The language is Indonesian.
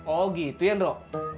oh gitu ya nro